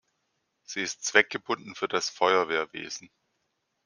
Sie ist zweckgebunden für das Feuerwehrwesen.